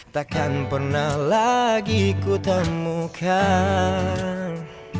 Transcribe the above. takkan pernah lagi ku temukan